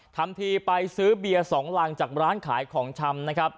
ทำทีไปซื้อเบียร์๒รังจากร้านขายของชำนะครับ